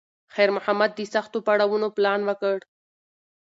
خیر محمد د سختو پړاوونو پلان وکړ.